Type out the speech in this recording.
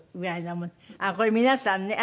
あっこれ皆さんね。